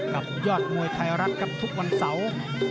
กับยอดมวยไทยรัฐครับทุกวันเสาร์